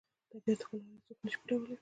د طبیعت ښکلا هیڅوک نه شي پټولی.